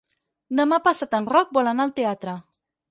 Demà passat en Roc vol anar al teatre.